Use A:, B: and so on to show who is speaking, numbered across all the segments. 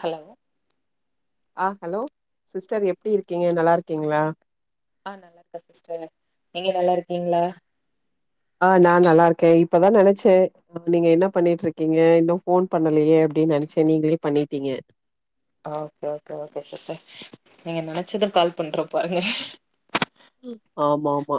A: Hello
B: ஆஹ் hello sister எப்டி இருக்கீங்க நல்லா இருக்கீங்களா
A: ஆஹ் நல்லா இருக்கே சிஸ்டர் நீங்க நல்லா இருக்கீங்களா
B: ஆஹ் நா நல்லா இருக்கே இப்பதா நனைச்சே நீங்க என்ன பண்ணிட்டு இருக்கீங்க இன்னும் போன் பண்ணலியே அப்டின் நினைச்சே நீங்குளே பண்ணிட்டீங்க
A: ஆஹ் ஓக்கே ஓகே ஓகே சிஸ்டர் நீங்க நனைச்சது கால் பண்ற பாருங்க
B: ம் ஆமா ஆமா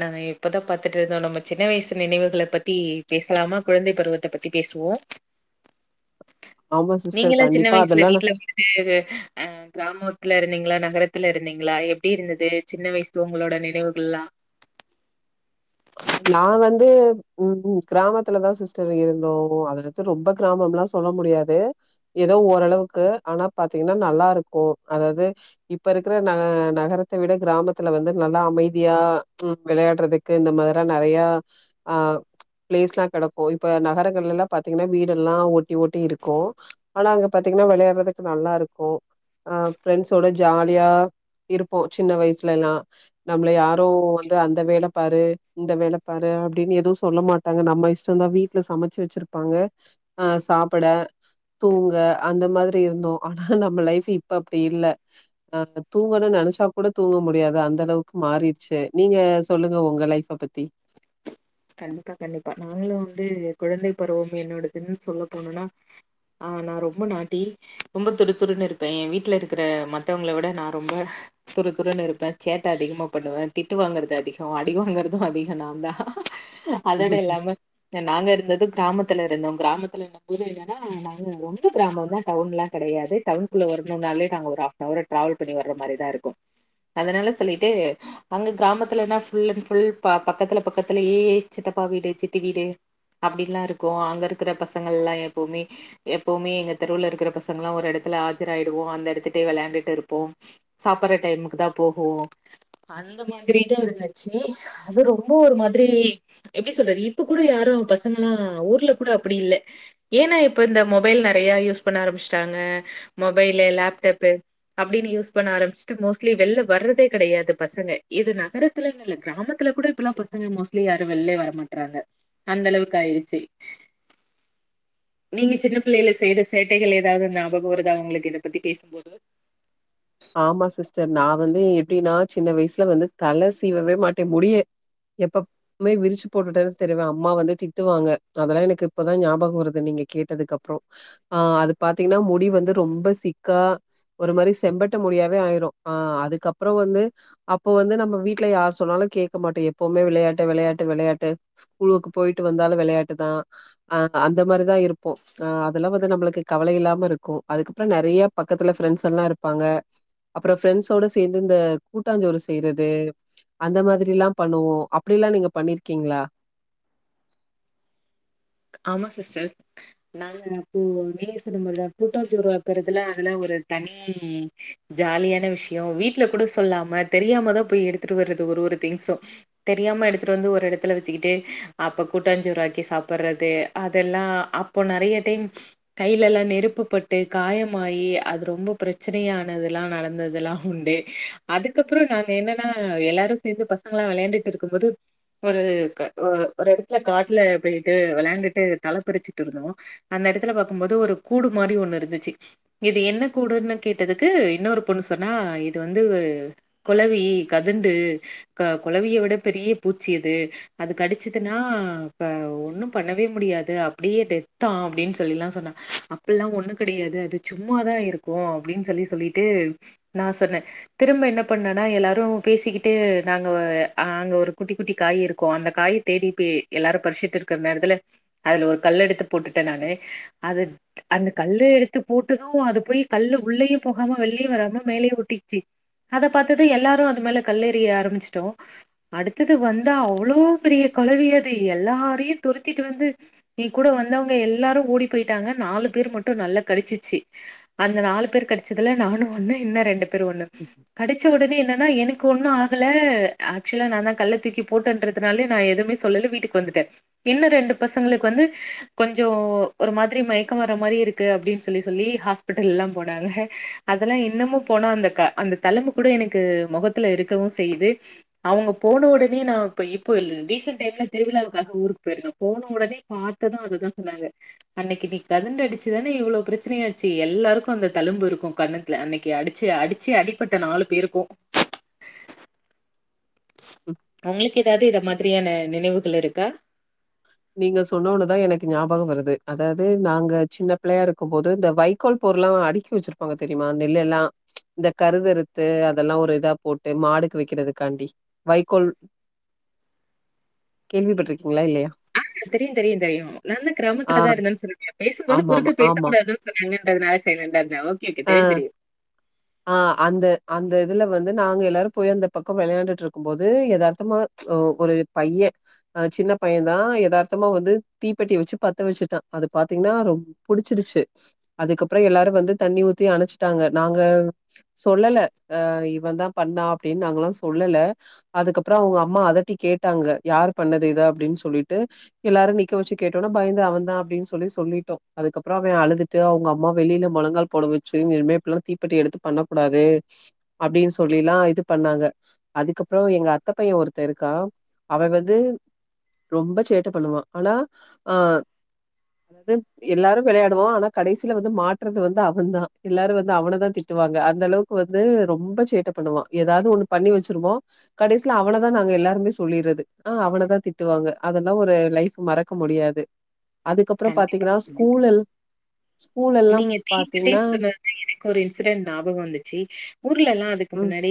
A: நாங்க இப்பதா பாத்துட்டு இருந்தோ நம்ம சின்ன வயிஸ் நினைவுகள பத்தி பேசுலாமா குழந்தை பருவத்த பத்தி பேசுவோ
B: ஆமா சிஸ்டர்
A: நீங்களெல்லாம் சின்ன
B: கண்டிப்பா
A: வயிசுல
B: அதெல்லா
A: வீட்ல வந்துட்டு இது அஹ் கிராமத்துல இருந்தீங்களா கரத்துல இருந்தீங்களா எப்டி இருந்தது சின்ன வயிஸ் த்து உங்குளோட நினைவுங்குல்லா
B: நா வந்து உம் கிராமத்துலதா சிஸ்டர் இருந்தோ அத வந்து ரொம்ப கிராமுல்லா சொல்ல முடியாது ஏதோ ஓரளவுக்கு ஆனா பாத்தீங்கின்னா நல்லா இருக்கு அதாவது இப்ப இருக்குற நகரத்த விட கிராமத்துல வந்து நல்லா அமைதியா உம் விளையாடுறதுக்கு இந்த மாரி இந்த நெறியா பிளேஸ்லா கெடக்கும் இப்ப நகரங்கள் எல்லா பாத்தீங்கன்னா வீடு எல்லா ஒட்டி ஒட்டி இருக்கு ஆனா அங்க பாத்தீங்கன்னா விளையாடுறதுக்கு நல்லா இருக்கு ஆஹ் ஃபிரண்ட்ஸ்வோட ஜாலியா இருப்போம் சின்ன வயிசுலயெல்லா நம்முள யாரு வந்து அந்த வேல பாரு இந்த வேலப்பாரு அப்டின்னு எதுவு சொல்ல மாட்டாங்க நம்ம இஷ்டம்தா வீட்டுல சமச்சி வச்சிருப்பாங்க அஹ் சாப்பிட தூங்க அந்த மாதிரி இருந்தோ ஆனா நம்ம லைஃப் இப்ப அப்புடி இல்ல அஹ் தூங்கனும் நனைச்சா கூட தூங்க முடியாது அந்த அளவுக்கு மாறியிருச்சி நீங்க சொல்லுங்க உங்க லைஃப் பத் தி
A: கண்டிப்பா கண்டிப்பா நாங்களும் வந்து குழந்தை பருவம் என்னோடதுன்னு சொல்ல போனும்னா ஆஹ் நா ரொம்ப நாட்டி ரொம்ப துருத்துருன்னு இருப்பேன் ஏ வீட்டுல இருக்குற மத்தவங்குள விட நா ரொம்ப துருத்துருன்னு இருப்பே சேட்ட அதிகமா பண்ணுவே திட்டு வாங்கறது அதிகோ அடி வாங்குறது அதிக நாந்தா அதோட இல்லாம நாங்க இருந்தது கிராமத் த்துல இருந்தோம் கிராமத்து இருந்த போது என்னனா நாங்க ரொம்ப கிராமம் தா டவுன்ல்லா கெடையாது டவுன்குள்ள வரணும்னாலே நாங்க ஒரு ஹாஃப்னவர் ட்ராவல் பண்ணி வர மாரி தான் இருக்கும் அதனால சொல்லிட்டு அங்க கிராமத்தில்லன ஃபுல்லன் ஃபுல் பா பக்கத்துல பக்கத் த்திலியே சித்தப்பா வீடு சித்தி வீடு அப்டில்லா இருக்கு அங்க இருக்குற பசங்கல்லா எப்பவுமே எப்பவுமே எங்க தெருவுல இருக்குற பசங்கல்லா ஒரு எடத்துல ஆஜ்ராயிடுவோ அந்த எடத்து விளையாண்டுட்டு இருப்போம் சாப்புற டைமுக்கு தான் போவோம் அந்த மாதிரி தா இருந்துச்சு அது ரொம்ப ஒரு மாதி திரி எப்பிடி சொல்ற இப்ப கூட யாரும் பசங்குல்லா ஊர்ல கூட அப்பிடி இல்ல ஏன்னா இப்ப இந்த மொபைல் நெறையா யூஸ் பண்ண ஆரம்பிச்சட்டாங்க மொபைலு லேப்டாப் அப்டின் யூஸ் பண்ண ஆரம்பிச்சுட்டு மோஸ்ட்லி வெளில வர்றதே கெடையாது பசங்க இது நகரத்துலன் இல்ல கிராமத்துல கூட இப்பல்லா பச மோஸ்ட்லி யாரும் வெள்லே வரமாட்டறாங்க அந்த அளவுக்கு ஆயிருச்சு நீங்க சின்ன பிள்ளையில செய்த சேட்டைகள் ஏதாவுது ஞாபகம் வருதா ஒங்குளுக்கு இது பத்தி பேசும்போது
B: ஆமா சிஸ்டர் நா வந்து எப்பிடின்னா சின்ன வயிசுல வந்து தல சீவவே மாட்டேன் முடிய எப்பப் மே விரிச்சு போட்டுட்டே திரியுவேன் அம்மா வந்து திட்டுவாங்க அதெல்லா எனக்கு இப்பதான் ஞாபகம் வருது நீங்க கேட்டதுக்கு அப்புறோ ஆஹ் அது பாத்தீங்கன்னா முடி வந்து ரொம்ப சிக்கா ஒரு மாரி செம்பட்ட முடியாவே ஆயிரும் ஆஹ் அதுக்கப்புற வந்து அப்போ வந்து நம்ம வீட்டுல யார் சொன்னாலும் கேட்க மாட்டோம் எப்பவுமே விளையாட்டு விளையாட்டு விளையாட்டு ஸ்கூலுக்கு போயிட்டு வந்தாலும் விளையாட்டுதா அஹ் அந்த மாதிரிதா இருப்போம் அதல்லா வந்து நம்முளுக்கு கவுலை இல்லாம இருக்கும் அதுக்கப்புறம் நிறைய பக்கத்துல ப்ரெண்ட்ஸ் எல்லா இருப் ப்பாங்க அப்புறம் ப்ரெண்ஸ்ஸோட சேர்ந்து இந்த கூட்டாஞ்சோறு செய்றது அந்த மாதிரி எல்லா பண்ணுவோம் அப்டி எல்லா நீங்க பண்ணிருக்கீங்களா
A: ஆமா சிஸ்டர் நாங்க அப்போ நீங்க சோன்னிங்குள கூட்டாஞ்சோறு ஆக்குறதுல அதுலா ஒரு தனி ஜாலியான விஷயோ வீட்டுல கூட சொல்லாம தெரியாமதா போய் எடுத்துட்டு வரது ஒரு ஒரு திங்சூ தெரியாம எடுத்துட்டு வந்து ஒரு எடத்துல வெச்சுக்கிட்டு அப்ப கூட்டாஞ்சோறு ஆக்கி சாப்பற து அதெல்லா அப்போ நிறைய டைம் கையில எல்லா நெருப்பு பட்டு காயமாயி அது ரொம்ப பிரச்சனையானதல்லா நடந்ததுல்லா உண்டு அதுக்கப்புறம் நாங்க என்னன்னா எல்லாரு சேந்து பசங்கள எல்லா விளையாண்டுட்டு இருக்கும் போது ஒரு உக்கா ஒரு எடத்துல காட்டுல போயிட்டு விளையா ண்டுட்டு தலைப்பறிச்சிட்டு இருந்தோ அந்த இடத்துல பாரக்கும்போது ஒரு கூடு மாரி ஒண்ணு இருந்துச்சு இது என்ன கூடுன்னு கேட்டதுக்கு இன்னொரு பொண்ணு சொன்னா இது வந்து கொலவி கதுண்டு கா கொலவிய விட பெரிய பூச்சி இது அது கடிச்சுதுன்னா ப ஒண்ணுப் பண்ணவே முடியாது அப்டியே டெத்தா அப்டின் சொல்லில்லா சொன்னா அப்பில்லா ஒண்ணு கிடையாது அது சும்மாதா இருக்கு அப்டின் சொல்லி சொல்லிட்டு நா சொன்னே திரும்ப என்ன பண்ணனா எல்லாரும் பேசிக்குடே நாங்க ஆஹ் அங்க ஒரு குட்டி குட்டி காய் இருக்கு அந்த காயை தேடி பேய் எல்லாரு பறிச்சுட்டு இருக்குற நேரத் த்துல அதுல ஒரு கல் எடுத்து போட்டுட்டே நானு அது அந்த கல்லு எடுத்து போட்டது அது போய் கல்லு உள்ளேயே போகாம வெளியே வராம மேலயே ஒட்டிகிச்சு அத பாத்தது எல்லாரு அது மேல கல்லெறிய ஆரம்பிச்சிட்டோ அடுத்தது வந்தா அவ்ளோ பெரிய கொலவியது எல்லாரையு துரத்திட்டு வந்து ஏ கூட வந்தவங்க எல்லாரு ஓடி போயிட்டாங்க நாலு பேர் மட்டு நல்லா கடிச்சிச்சு அந்த நாலு பேர் கடிச்சதுல நானு ஒன்னு இன்ன ரெண்டு பெரு ஒண்டு கடிச்ச உடனே என்னன்னா எனக் க்கு ஒண்ணு ஆகுல ஆக்சுவலா நாந்தா கல்ல தூக்கி போட்டேன்றதுனாலே நா எதுவுமே சொல்லல்ல வீட்டுக் வந்துட்டே இன்னு ரெண்டு பசங்களுக்கு வந்து கொஞ்சோ ஒரு மாதிரி மயக்க வர மாரி இருக்கு அப்டின்னு சொல்லி சொல்லி ஹாஸ்பிட்டல்லா போனாங்க அதெல்லா இன்னமும் போனா அந்த க அந்த தலும்பு கூட எனக்கு முகத்துல இருக்கவும் செய்யிது அவுங்க போன உடனே நான் இப்ப இப்ப ரீசன்ட் டைம்ல திருவிழாவுக்காக ஊருக் போயிருந்தே போன உடனே பாத்தது அதுதா சொன்னாங்க அன்னைக்கு நீ பெதண்டு அடிச்சுதானே இவ்ளோ பிரச்சனையாச்சு எல்லாருக்கு அந்த தலும்பு இருக்கும் கண்ணத்துல அன்னைக்கு அடிச்சு அடிச்சே அடிப்பட்ட நாலு பேருக்கு
B: ம்.
A: உங்குளுக் எதாவுது இத
B: இ-
A: மாதிரியான நினைவுகள் இருக் அக்கா
B: நீங்க சொன்னனுதான் எனக்கு ஞாபகம் வருது அதாவது நாங்க சின்ன பிள்ளையா இருக்கும் போது இந்த வைக்கோல் போரு எல்லாம் அடுக்கி வச்சிருப்பாங்க தெரியுமா நெல்ல எல்லாம் இந்த கருதறுத்து அதெல்லாம் ஒரு இதா போட்டு மாடுக்கு வைக்கிறதுக்காண்டி வைக்கோல் கேள்விப்பட்டிருக்கீங்களா இல்லையா
A: தெரியும் தெரியும் தெரியும் நல்ல
B: ஆ.
A: கிராமத்துலதான் இருந்தன்னு சொன்னாங்க பேசும்போது
B: ஆமாமா.
A: குறுக்க பேசக்கூடாதுன்னு சொன்னாங்க னால சைலண்ட இருந்தேன்
B: ஆஹ் ஆஹ் அந்த அந்த அதுல வந்து நாங்க எல்லாரும் போய் அந்த பக்கம் விளையாண்டுட்டு இருக்கும் போது எதார்த்தமா ஒரு பையன்தான் சின்ன பையன் தான் எதார்த்தமா வந்து தீப்பெட்டி வச்சு பத்த வச்சுட்டான் அது பாத்தீங்கன்னா ரொம்பபுடிச்சிருச்சு அதுக்கப்பறம் எல்லாரும் வந்து தண்ணி ஊத்தி அணைச்சுட்டாங்க நாங்க சொல்லல அஹ இவன் தான் பண்ணா அப்படின்னு நாங்கல்லாம் சொல்லல அதுக்கப்பறம் அவங்க அம்மா அதட்டி கேட்டாங்க யாரு பண்ணது இத அப்படின்னு சொல்லிட்டு எல்லாரும் நிக்க வச்சு கேட்டோனா பயந்து அவன் தான் அப்படின்னு சொல்லி சொல்லிட்டோம் அதுக்கப்புறம் அவன் அழுதுட்டு அவங்க அம்மா வெளியில முழங்கால் போட வச்சுல்லாம் தீப்பட்டி எடுத்து பண்ணக்கூடாது அப்படின்னு சொல்லி எல்லாம் இது பண்ணாங்க அதுக்கப்பறம் எங்க அத்தை பையன் ஒருத்த இருக்கா அவ வந்து ரொம்ப சேட்டை பண்ணுவான் ஆனா அஹ் அத எல்லாரும் விளையாடுவோம் ஆனா கடைசியில வந்து மாட்டுறது வந்து அவன் தான் எல்லாரும் வந்து அவனதான் திட்டுவாங்க அந்த அளவுக்கு வந்து ரொம்ப சேட்டை பண்ணுவான் ஏதாவது ஒண்ணு பண்ணி வச்சிருமோ கடைசியில அவனதான் நாங்க சொல்லிறது ஆஹ் அவனதான் திட்டுவாங்க அதெல்லாம் ஒரு லைஃப் மறக்க முடியாது அதுக்கப்பறம் பாத்தீங்கன்னா
A: கண்டிப்பா
B: ஸ்கூலல் ஸ்கூல்ல எல்லாம் பாத்
A: அப்படின்னு சொன்னது எனக்கு ஒரு இன்சிடென்ட் ஞாபகம் வந்துச்சு ஊர்ல எல்லாம் அதுக்கு
B: ம்,
A: முன்னாடி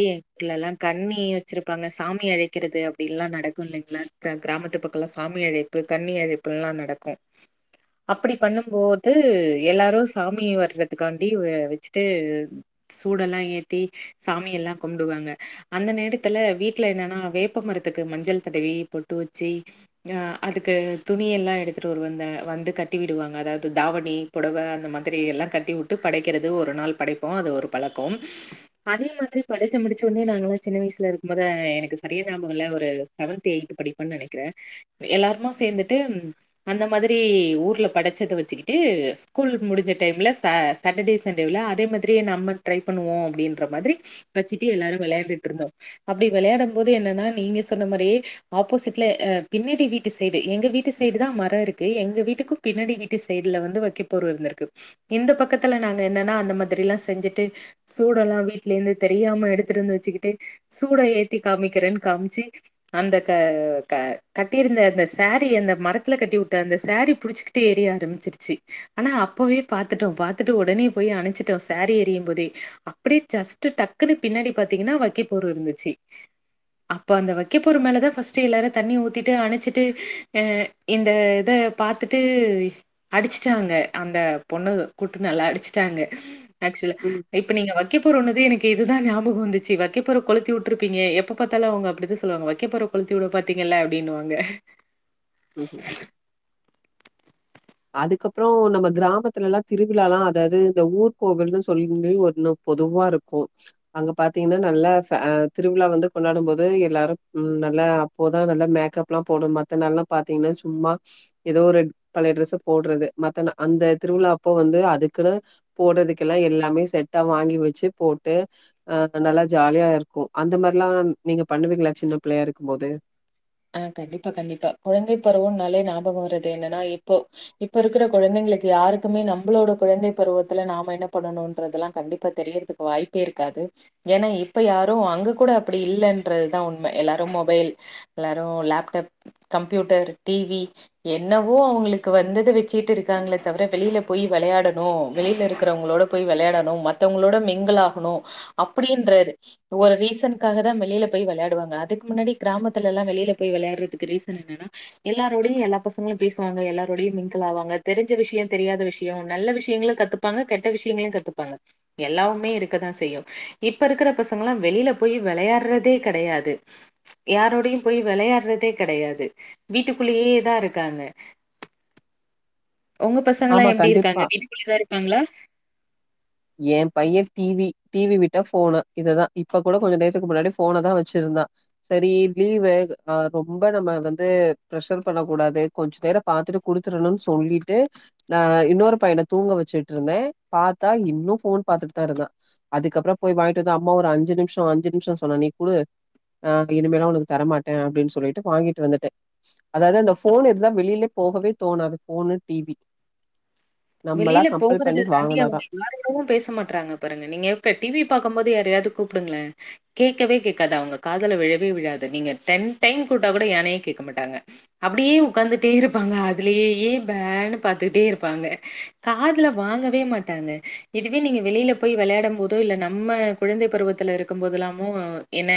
A: எல்லாம் கன்னி வச்சிருப்பாங்க சாமி அழைக்கிறது அப்டில்லாம் நடக்கும் இல்லைங்களா கிராமத்து பக்கம்லாம் சாமி அழைப்பு கண்ணி அழைப்புல்லாம் நடக்கும் அப்படி பண்ணும்போது எல்லாரும் சாமிய வர்றதுக்காண்டி வச்சுட்டு சூடெல்லாம் ஏத்தி சாமியெல்லாம் கும்பிடுவாங்க அந்த நேரத்துல வீட்ல என்னன்னா வேப்ப மரத்துக்கு மஞ்சள் தடவி பொட்டு வச்சுஹ அதுக்கு துணியெல்லாம் எடுத்துட்டு ஒருவந்த வந்து கட்டி விடுவாங்க அதாவது தாவணி புடவை அந்த மாதிரி எல்லாம் கட்டி விட்டு படைக்கிறது ஒரு நாள் படைப்போம் அது ஒரு பழக்கம் அதே மாதிரி படைச்ச முடிச்சோனே நாங்களாம் சின்ன வயசல இருக்கும் போது எனக்கு சரியா ஞாபகம் யில்ல ஒரு செவன்த் எயி்த் படிப்போம்ன்னனு நினைக்கிறேன் எல்லாருமா சேர்ந்துட்டு அந்த மாதிரி ஊர்ல் படைச்சதை வச்சுக்கிட்டு ஸ்கூல் முடிஞ்ச டைம்ல ச சாட்டர்டே சண்டேல அதே மாதிரியே நம்ம ட்ரை பண்ணுவோம் அப்படின்ற மாதிரி வச்சுட்டு எல்லாரும் விளையாண்டுட்டு இருந்தோம் அப்படி விளையாடும் போது என்னன்னா நீங்க சொன்ன மாதிரியே ஆப்போசிட்ல ஆஹ் பின்னடி வீட்டு சைடு எங்க வீட்டு சைடு தான் மரம் இருக்கு எங்க வீட்டுக்கும் பின்னாடி வீட்டு சைடுல வந்து வைக் இரு இந்த பக்கத்துல நாங்க என்னன்னா அந்த மாதிரி எல்லாம் செஞ்சுட்டு சூடம் லாம் வீட்ல இருந்து தெரியாம எடுத்துட்டு இருந்து வச்சுக்கிட்டு சூட ஏத்தி காமிக்கிறேன்னு காமிச்சு அந்த க க கட்டியிருந்த அந்த சாரீ அந்த மரத்துல கட்டி விட்ட அந்த சோரீ புடிச்சுக்கிட்டு எறிய ஆரம்பிச்சிருச்சு ஆனா அப்பவே பாத்துட்டோம் பாத்துட்டு உடனே போய் அணைச்சிட்டோம் சாரீ எறியும் போதே அப்படியே ஜஸ்ட் டக்குன்னு பின்னாடி பார்த்தீங்கன்னா வக்கைப்போரு இருந்துச்சு அப்போ அந்த வைக்கைப்போரு மேலதான் ஃபர்ஸ்ட்டு எல்லாரும் தண்ணி ஊத்திட்டு அணைச்சிட்டு அஹ் இந்த இதை பார்த்துட்டு அடிச்சிட்டாங்க அந்த பொண்ணு கூட்டு நல்லா அடிச்சுட்டாங்க ஆக்சுவலா
B: ம்,
A: இப்ப நீங்க வைக்க போறதுன்னதே எனக்கு இதுதான் ஞாபகம் வந்துச்சு வக்கப்போற கொளுத்தி விட்டுருப்பீங்க எப்ப பார்த்தாலும் அவங்க அப்டித்தா சொல்லுவாங்க வைக்க போற கொளுத்தி விட பாத்தீங்கல்ல அப்படின்னு வாங்க
B: உம் உம் அதுக்கப்பற நம்ம கிராமத்துல திருவிழா லா அது அது இந்த ஊர் கோவில்னு சொல்லினு பொதுவா இருக்கோ அங்க பாத்தீங்கன்னா நல்ல திருவிழா வந்து கொண்டாடும் போது எல்லாரும் நல்லா அப்போதான் நல்ல மேக்கப் லா போடும் மத்த நாள் எல்லா பாத்தீங்கன்னா சும்மா ஏதோ ஒரு பழைய டிரெஸ்ஸ போடுறது மத்த அந்த திருவிழா அப்போ வந்து அதுக்குன்னு போடுறதுக்கெல்லா எல்லாமே செட்டா வாங்கி வச்சு போட்டு அஹ் நல்லா ஜாலியா இருக்கோ அந்த மாதிரிலா நீங்க பண்ணுவீங்களா சின்ன பிள்ளையா இருக்கும் போது
A: ஆஹ் கண்டிப்பா கண்டிப்பா குழந்தை பருவம்னாலே ஞாபகம் வருறது என்னன்னா இப்போ இப்ப இருக்கிற குழந்தைங்களுக்கு யாருக்குமே நம்மளோட குழந்தை பருவத்துல நாம என்ன பண்ணணோன்றதெல்லா கண்டிப்பா தெரியறதுக்கு வாய்ப்பே இருக்காது ஏன்னா இப்ப யாரோ அங்க கூட அப்படி இல்லன்றதுதான் உண்ம எல்லாரும் மொபைல் எல்லாரும் லேப்டாப் கம்ப்யூட்டர் டிவி என்னவோ அவங்களுக்கு வந்தத வச்சுட்டு இருக்காங்களே தவிர வெளியில போய் விளையாடணோ வெளியில இருக்கிறவங்களோட போய் விளையாடணோ மத்தவங்களோட மீங்கல் ஆகணும் அப்படின்ற ஒரு ரீசன்க்காக தான் வெளியில போய் விளையாடுவாங்க அதுக்கு முன்னாடி கிராமத் த்தலா வெளிய போய் விளை யாடுறகத்துக்கு ரீசன் என்னனா எல்லாரோடய எல்லா பசங்களோ பேசுவாங்க எல்லாரோடயும் ஆவாங்க தெரிஞ்ச விஷயோ தெரியாத விஷயோ நல்ல விஷயங்களோ கத்துப்பாங்க கெட்ட விஷயங்களையும் கத்துப்பாங்க எல்லாமே உண்மையும் இருக்கதான் செய்யும் இப்ப இருக்கிற பசங்களா வெளியில போய் விளையாடுறதே கிடையாது யாரோட போயும் போய் விளையாடுறதே கிடையாது வீட்டுக்குள்ளேயே தான் இருக்காங்க உங்க பசங்கலா
B: ஆமா,
A: எப்படி
B: கண்டிப்பா.
A: இருக்காங்க வீட்டுக்குள்ளேதான் இருப்பாங்களா
B: என் பையன் டிவி டிவி விட்டா போனு இததான் இப்ப கூட கொஞ்ச நேரத்துக்கு முன்னாடி போன தான் வச்சிருந்தான் சேரி லீவு ஆஹ் ரொம்ப நம்ம வந்து ப்ரெஷர் பண்ண கூடாது கொஞ்ச நேரோ பாத்துட்டு குடுத்துடணோ சொல்லிட்டு நா ஹ் இன்னொரு பையன தூங்க வச்சுட்டு இருந்தேன் பார்த்தா இன்னும் போன் பாத்துட்டு தான் இருந்தான் அதுக்கப்பற போய் வாங்கிட்டு வந்த அம்மா ஒரு அஞ்சு நிமிஷோ அஞ்சு நிமிஷோ சொன்னா நீ கூடு ஆஹ் இனிமேல்லா உனக்கு தரமாட்டேன் அப்டின்னு சொல்லிட்டு வாங்கிட்டு வந்துட்டேன் அதாவது அந்த போன் இருந்தா வெளியிலயே போகவே தோணாது போன்னு டிவி நம்மளா கம்பல் பண்ணி வாங்குனாதான்
A: ப்பவும் பேச மாட்டாங்க பாருங்க நீங்க டிவி பாக்கும் போது யாரயாவது கூப்டுங்கள கேட்கவே கேட்காது அவங்க காதல விழவே விழாது நீங்க டென் டைம் கூட்டா கூட யானையே கேட்க மாட்டாங்க அப்படியே உட்காந்துட்டே இருப்பாங்க அதுலயே பேன்னு பாத்துட்டே இருப்பாங்க காதுல வாங்கவே மாட்டாங்க இதுவே நீங்க வெளியில போய் விளை யாடும் போதோ இல்ல நம்ம குழந்தை பருவத்துல இருக்கும் போதுல்லாமோ என்ன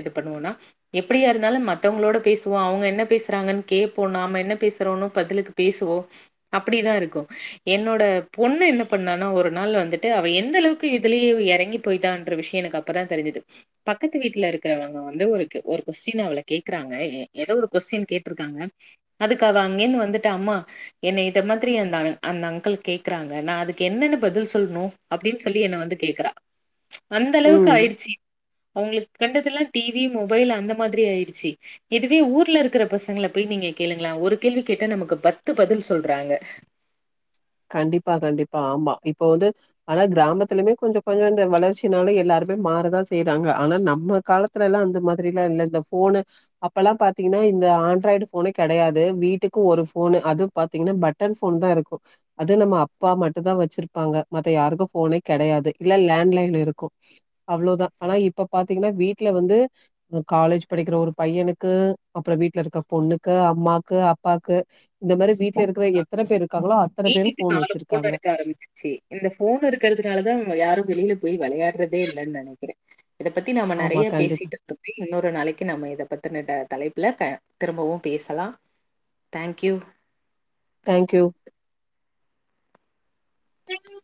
A: இது பண்ணுவோம்னா எப்டியாருந்தாலும் மத்தவங்களோட பேசுவோம் அவங்க என்ன பேசுறாங்கன்னு கேட்போம் நாம என்ன பேசுறோன்னோ பதிலுக்கு பேசுவோ அப்டிதான் இருக்கோ என்னோட பொண்ணு என்ன பண்ணானா ஒரு நாள் வந்துட்டு அவ எந்த அளவுக்கு இதுலயே இறங்கி போயிட்டானன்ற விஷய எனக்கு அப்பதான் தெரிஞ்சுது பக்கத்து வீட்டுல இருக்கிறவங்க வந்து ஒரு ஒரு கொஸ்டின் அவள கேக்குறாங்க ஏதோ ஒரு கொஸ்டின் கேட்டிருக்காங்க அதுக்கு அவ அங்கேன்னு வந்துட்டு அம்மா என்னைய இத மாதிரி அந்த அ அந்த அங்கிள் கேக்குறாங்க நான் அதுக்கு என்னென்னு பதில் சொல்லணு அப்டின்னு சொல்லி என்ன வந்து கேக்குறா அந்த அளவுக்கு
B: ம்.
A: ஆயிடுச்சு அவங்களுக் கண்டதல்லா டிவி மொபைல் அந்த மாதிரி ஆயிடுச்சு இதுவே ஊர்ல இருக்கிற பசங்கள போய் நீங்க கேளுங்களே ஒரு கேள்வி கேட்ட நமக்கு பத்து பதில் சொல்றாங்க
B: கண்டிப்பா கண்டிப்பா ஆமா இப்ப வந்து ஆனா கிராமத்துலமே கொஞ்சோ கொஞ்சோ இந்த வளர்ச்சினால எல்லாருமே மாறதான் செய்யறாங்க ஆனா நம்ம காலத்துலலா அந்த மாதிரி எல்லா இல் இந்த போனு அப்ப எல்லா பாத்தீங்கன்னா இந்த ஆண்ட்ராய்டு போனே கிடையாது வீட்டுக்கு ஒரு போனு அது பாத்தீங்கன்னா பட்டன் போன் தான் இருக்கோ அது நம்ம அப்பா மட்டுத்தான் வச்சிருப்பாங்க மத்த யாருக்கு போனே கிடையாது இல்ல லேண்ட்லைன் இருக்கு அவ்ளோதான் ஆனா இப்ப பாத்தீங்கன்னா வீட்டுல வந்து காலேஜ் படிக்கிற ஒரு பையனுக்கு அப்பறோ வீட்ல இருக்கிற பொண்ணுக்கு அம்மாக்கு அப்பாக்கு இந்த மாதிரி வீட் வீட்ல இருக்கற எத்தனை பேர் இருக்காங்களோ அத்
A: வீட்டுக்கு நாலு போன் இருக்க ஆரம்பிச்சிச்சி இந்த போன் இருக்கிறதுனால தான் யாரும் வெளியபோய் விளையாடுறதே இல்லன்னு நெனைக்கிறே இத பத்தி நாம
B: ஆமா,
A: நெறைய
B: கண்டிப்பா.
A: பேசிட்டோ தோப்பி இன்னொரு நாளைக்கு நம்ம இதை பத்தின ட தலைப்புல திரும்பவும் பேசலா தேங்க்யூ
B: தேங்க்யூ தேங்க்யூ